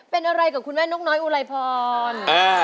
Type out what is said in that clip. เป็นอะไรกับคุณแม่นกน้อยอุไลพร